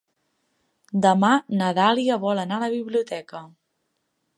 Demà na Dàlia vol anar a la biblioteca.